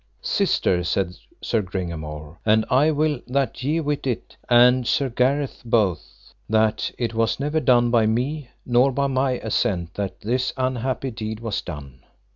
Sister, said Sir Gringamore, and I will that ye wit it, and Sir Gareth both, that it was never done by me, nor by my assent that this unhappy deed was done.